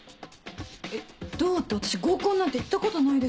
えっどうって私合コンなんて行ったことないです。